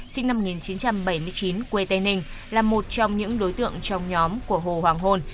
sinh năm một nghìn chín trăm bảy mươi chín quê tây ninh là một trong những đối tượng trong nhóm của hồ hoàng hôn